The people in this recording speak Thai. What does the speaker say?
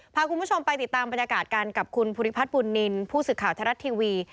พาคุณผู้ชมไปติดตามบรรยากาศกันกับคุณภูริพัฒนบุญนินทร์ผู้สื่อข่าวไทยรัฐทีวี